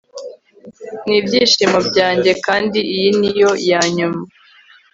Nibyishimo byanjye kandi iyi niyo yanyuma